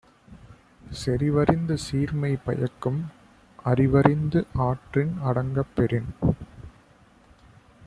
செறிவறிந்து சீர்மை பயக்கும் அறிவறிந்து ஆற்றின் அடங்கப் பெறின்